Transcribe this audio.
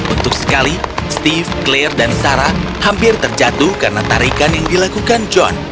untuk sekali steve claire dan sarah hampir terjatuh karena tarikan yang dilakukan john